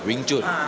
di wing chun